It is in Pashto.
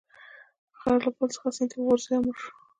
خر له پل څخه سیند ته وغورځید او مړ شو.